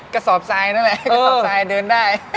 กระสอบทรายนั่นแหละกระสอบทรายเดินได้